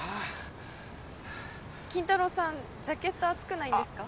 筋太郎さんジャケット暑くないんですか？